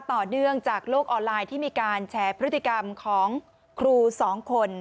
ต่อเนื่องจากโลกออนไลน์ที่มีการแชร์พฤติกรรมของครูสองคน